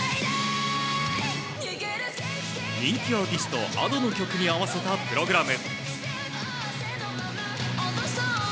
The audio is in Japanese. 人気アーティストＡｄｏの曲に合わせたプログラム。